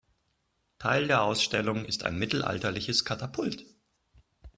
Teil der Ausstellung ist ein mittelalterliches Katapult.